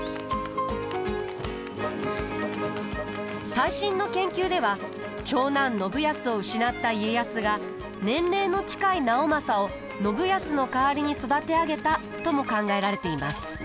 最新の研究では長男信康を失った家康が年齢の近い直政を信康の代わりに育て上げたとも考えられています。